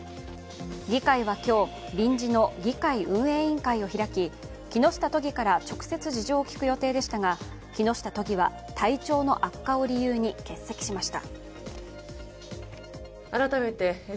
議会は今日、臨時の議会運営委員会を開き木下都議から直接事情を聴く予定でしたが木下都議は体調の悪化を理由に欠席しました。